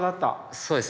そうですねぇ。